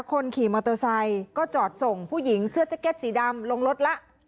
คนขี่มอเตอร์ไซค์ก็จอดส่งผู้หญิงเสื้อแจ็ตสีดำลงรถแล้ว